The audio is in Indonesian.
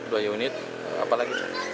dua unit apa lagi